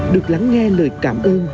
được lắng nghe lời cảm ơn